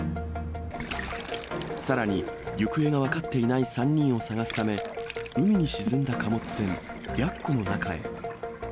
さらに行方が分かっていない３人を捜すため、海に沈んだ貨物船、白虎の中へ。